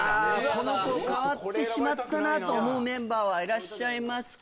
この子変わってしまったなと思うメンバーはいらっしゃいますか？